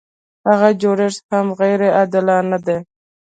هغه جوړښت هم غیر عادلانه دی.